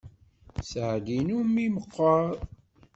Sseɛd-inu mmi meqqer.